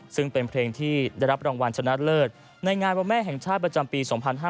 ซึ่งเป็นเพลงที่ได้รับรางวัลชนะเลิศในงานวันแม่แห่งชาติประจำปี๒๕๕๙